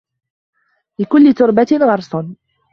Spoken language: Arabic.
لِكُلِّ تُرْبَةٍ غَرْسٌ